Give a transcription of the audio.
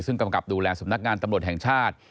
ซึ่งกำกับดูแลสำนักงานตำรวจแห่งชาติ